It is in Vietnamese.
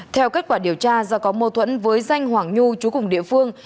theo kết quả điều tra do có mâu thuẫn với danh hoàng nhu chú cùng địa phương